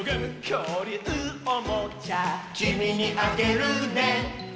「きょうりゅうおもちゃ」「きみにあげるね」